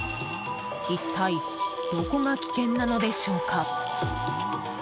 一体どこが危険なのでしょうか。